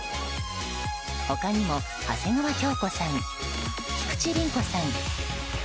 他にも長谷川京子さん菊地凛子さん